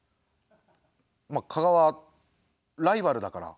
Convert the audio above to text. まあ加賀はライバルだから。